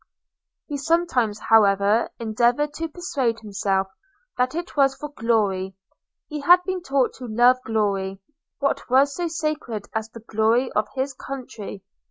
He sometimes, however, endeavoured to persuade himself that it was for glory: he had been taught to love glory – What so sacred as the glory of his country?